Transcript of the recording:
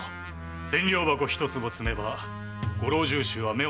〔千両箱を一つも積めばご老中衆は目をつぶってくれる〕